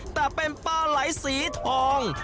แต่เป็นปลาไหลสีทอง